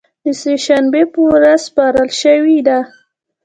د سې شنبې په ورځ سپارل شوې ده